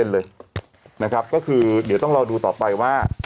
เลยนะครับก็คือเดี๋ยวต้องรอดูต่อไปว่า